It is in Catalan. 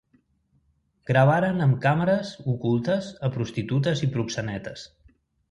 Gravaren amb càmeres ocultes a prostitutes i proxenetes.